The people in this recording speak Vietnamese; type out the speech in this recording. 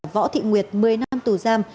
võ thị nguyệt một mươi năm tù giam